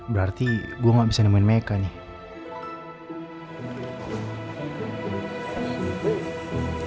berarti gue gak bisa nemuin mereka nih